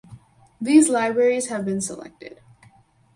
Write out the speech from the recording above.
These libraries have been selected